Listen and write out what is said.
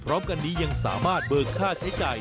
พร้อมกันนี้ยังสามารถเบิกค่าใช้จ่าย